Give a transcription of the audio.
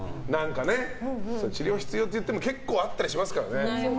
治療必要って言っても結構あったりしますからね。